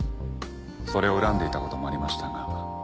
それを恨んでいた事もありましたが。